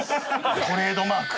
トレードマーク！